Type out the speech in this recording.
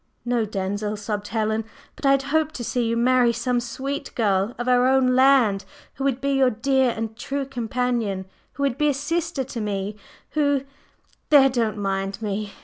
"No, Denzil," sobbed Helen, "but I had hoped to see you marry some sweet girl of our own land who would be your dear and true companion, who would be a sister to me, who … there! don't mind me!